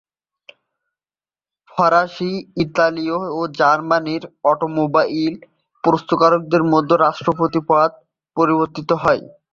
ফরাসি, ইতালীয় ও জার্মান অটোমোবাইল প্রস্তুতকারকদের মধ্যে রাষ্ট্রপতি পদ আবর্তিত হয়।